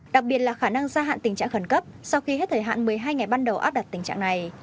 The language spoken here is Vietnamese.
đặc biệt là khả năng gia hạn tình trạng khẩn cấp sau khi hết thời hạn một mươi hai ngày ban đầu áp đặt tình trạng này